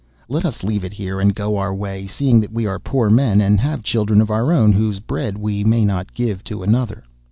Let us leave it here, and go our way, seeing that we are poor men, and have children of our own whose bread we may not give to another.